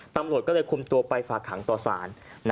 ตำรวจก็เลยคุมตัวไปฝากหางต่อสาร